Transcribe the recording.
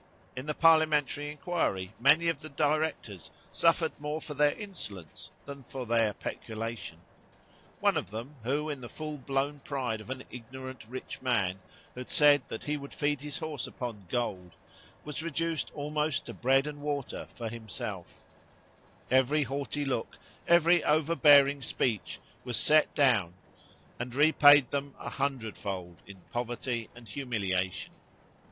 In the parliamentary inquiry, many of the directors suffered more for their insolence than for their peculation. One of them, who, in the full blown pride of an ignorant rich man, had said that he would feed his horse upon gold, was reduced almost to bread and water for himself; every haughty look, every overbearing speech, was set down, and repaid them a hundredfold in poverty and humiliation.